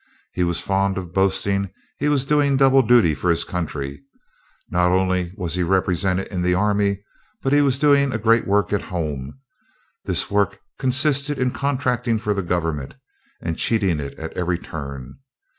He was fond of boasting he was doing double duty for his country, not only was he represented in the army, but he was doing a great work at home. This work consisted in contracting for the government, and cheating it at every turn.